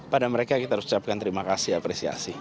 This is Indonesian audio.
pada mereka kita ucapkan terima kasih dan apresiasi